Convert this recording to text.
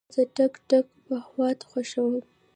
زه د ټک ټاک محتوا خوښوم.